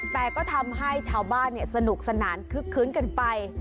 แต่ก็ทำให้ชาวบ้านสนุกสนานคึกคื้นกันไป